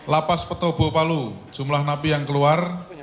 lapas petobo palu jumlah napi yang keluar